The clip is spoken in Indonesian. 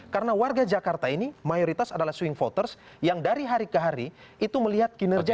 karena warga jakarta ini mayoritas adalah swing voters yang dari hari ke hari itu melihat kinerja